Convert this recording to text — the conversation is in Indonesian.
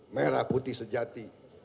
merah putih sejati